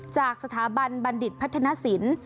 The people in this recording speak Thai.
จากสถาบันบัณฑิตพัฒนศิลป์